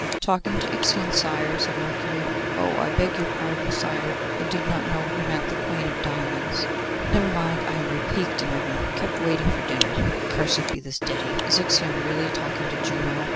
'Talking to Ixion, sire,' said Mercury. 'Oh, I beg your pardon, sire; I did not know you meant the queen of diamonds.' 'Never mind. I am repiqued, and I have been kept waiting for dinner. Accursed be this day! Is Ixion really talking to Juno?